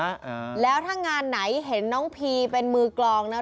หากเจ้านั้นหลังไหนเห็นน้องพีเป็นมือกลองนะ